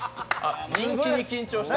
人気に緊張した。